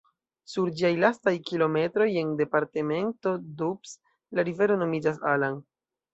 Sur ĝiaj lastaj kilometroj en departemento Doubs la rivero nomiĝas "Allan".